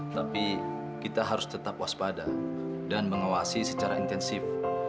tapi kita harus tetap waspada dan mengawasi secara intensif